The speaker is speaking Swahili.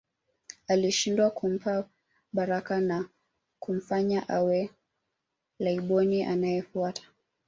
Alishindwa kumpa baraka na kumfanya awe Laiboni anayefuata